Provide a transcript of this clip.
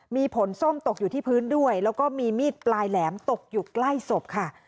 มีผลส้มตกอยู่ที่พื้นด้วยแล้วก็มีมีดปลายแหลมตกอยู่ใกล้ศพค่ะ